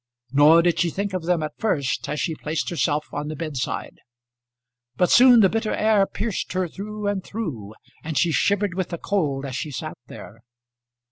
Nor did she think of them at first as she placed herself on the bed side. But soon the bitter air pierced her through and through, and she shivered with the cold as she sat there.